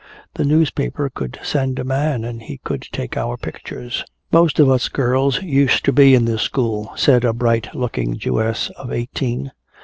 The newspaper could send a man and he could take our pictures." "Most of us girls used to be in this school," said a bright looking Jewess of eighteen.